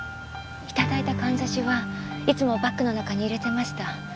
頂いたかんざしはいつもバッグの中に入れてました。